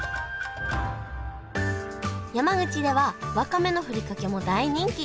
山口ではわかめのふりかけも大人気！